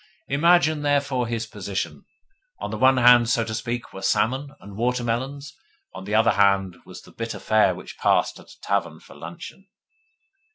Imagine, therefore, his position! On the one hand, so to speak, were salmon and water melons, while on the other hand was the bitter fare which passed at a tavern for luncheon.